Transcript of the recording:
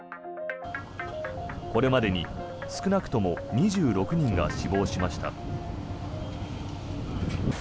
これまでに少なくとも２６人が死亡しました。